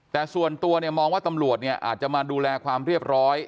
แต่ส่วนตัวเนี่ยมองว่าตำรวจเนี่ยอาจจะมาดูแลความเรียบร้อย